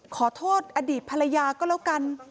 ขอโทษอดีตภรรยาก็แล้วกัน